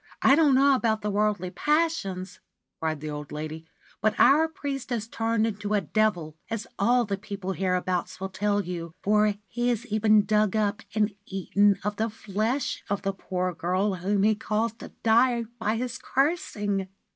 ' 1 don't know about the worldly passions,' cried the old lady ;' but our priest has turned into a devil, as all the people hereabouts will tell you, for he has even dug up and eaten of the flesh of the poor girl whom he caused to die by his cursing